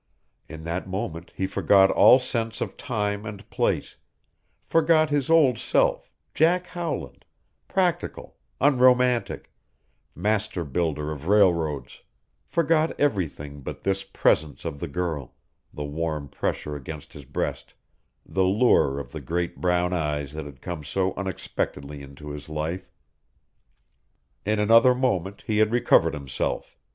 In that moment he forgot all sense of time and place; forgot his old self Jack Howland practical, unromantic, master builder of railroads; forgot everything but this presence of the girl, the warm pressure against his breast, the lure of the great brown eyes that had come so unexpectedly into his life. In another moment he had recovered himself.